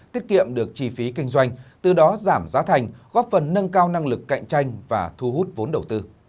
tiết kiệm được chi phí kinh doanh từ đó giảm giá thành góp phần nâng cao năng lực cạnh tranh và thu hút vốn đầu tư